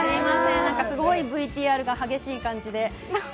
すごいＶＴＲが激しい感じで。